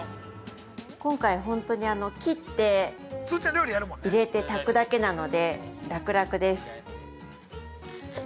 ◆今回、ほんとに切って、入れて、炊くだけなので、楽々です。